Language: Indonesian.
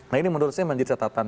nah ini menurut saya menjadi catatan